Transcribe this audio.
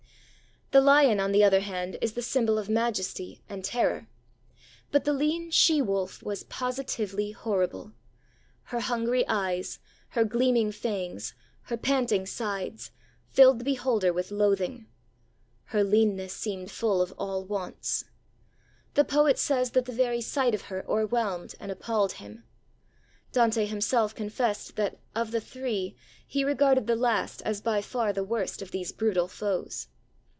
The lion, on the other hand, is the symbol of majesty and terror. But the lean she wolf was positively horrible. Her hungry eyes, her gleaming fangs, her panting sides, filled the beholder with loathing. 'Her leanness seemed full of all wants.' The poet says that the very sight of her o'erwhelmed and appalled him. Dante himself confessed that, of the three, he regarded the last as by far the worst of these three brutal foes.